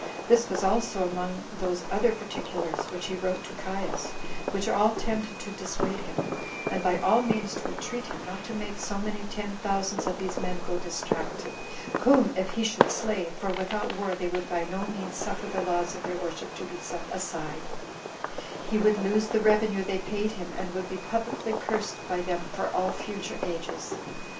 This was also among those other particulars which he wrote to Caius, which all tended to dissuade him, and by all means to entreat him not to make so many ten thousands of these men go distracted; whom, if he should slay, [for without war they would by no means suffer the laws of their worship to be set aside,] he would lose the revenue they paid him, and would be publicly cursed by them for all future ages.